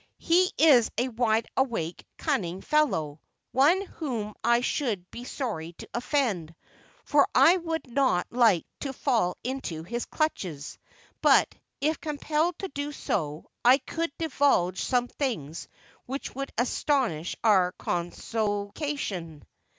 "He is a wide awake, cunning fellow, one whom I should be sorry to offend, for I would not like to fall into his clutches; but, if compelled to do so, I could divulge some things which would astonish our Consociation."